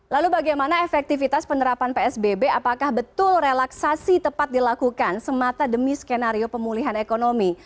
lalu bagaimana efektivitas penerapan psbb apakah betul relaksasi tepat dilakukan semata demi skenario pemulihan ekonomi